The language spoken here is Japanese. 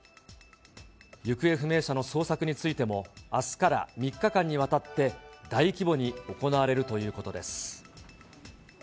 行方不明者の捜索についても、あすから３日間にわたって、大規模に行われるということです。